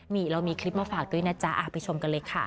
นี่เรามีคลิปมาฝากด้วยนะจ๊ะไปชมกันเลยค่ะ